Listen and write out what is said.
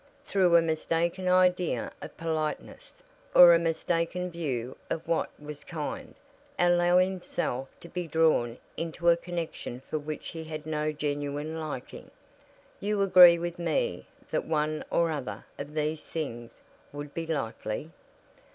"Through a mistaken idea of politeness, or a mistaken view of what was kind, allow himself to be drawn into a connection for which he had no genuine liking. You agree with me that one or other of these things would be likely?"